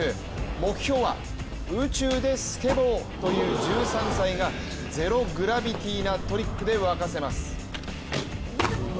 目標は、「宇宙でスケボー」という１３歳がゼログラビティなトリックで沸かせます。